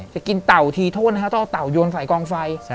จะกินเต่าทีโทษนะฮะต้องเอาเต่าโยนใส่กองไฟ